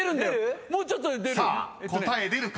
もうちょっとで出る。